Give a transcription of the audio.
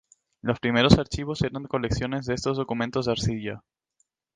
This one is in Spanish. Los primeros archivos eran colecciones de estos documentos de arcilla.